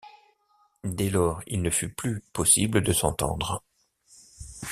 Dès lors, il ne fut plus possible de s’entendre.